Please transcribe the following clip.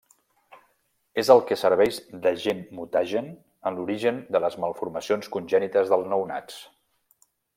És el que serveix d'agent mutagen en l'origen de les malformacions congènites dels nounats.